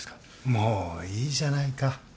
もういいじゃないか。